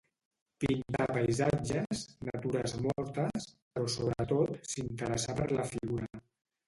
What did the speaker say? Pintà paisatges, natures mortes, però sobretot s’interessà per la figura.